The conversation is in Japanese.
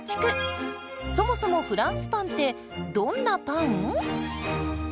そもそもフランスパンってどんなパン？